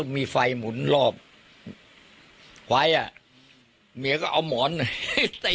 มีไฟหมุนซนลอบไหวอ่ะเมียก็เอาหมอนตี